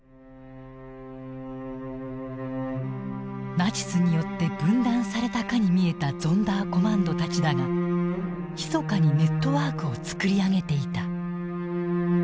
ナチスによって分断されたかに見えたゾンダーコマンドたちだがひそかにネットワークを作り上げていた。